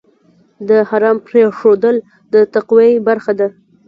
د حرام پرېښودل د تقوی برخه ده.